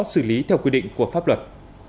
xử lý theo quy định của pháp luật